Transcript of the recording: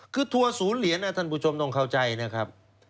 คือทัวร์ศูนย์เหรียญท่านผู้ชมต้องเข้าใจนะครับ